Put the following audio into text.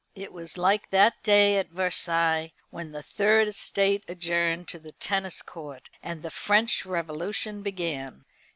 It was like that day at Versailles when the Third Estate adjourned to the Tennis Court, and the French Revolution began.